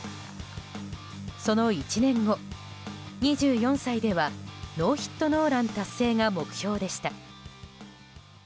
その１年後、２４歳ではノーヒットノーラン達成が目標でした。